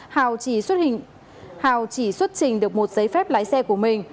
hào chỉ xuất trình được một giấy phép lái xe của mình